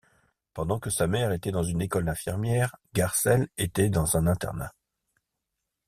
Pendant que sa mère était dans une école d'infirmière, Garcelle était dans un internat.